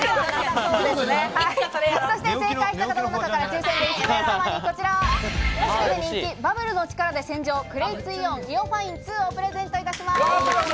正解した方の中から抽選で１名様にこちら、ポシュレで人気バブルの力で洗浄「クレイツイオンＩＯファイン２」をプレゼントいたします。